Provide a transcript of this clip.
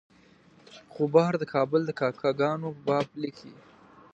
غبار د کابل د کاکه ګانو په باب لیکي.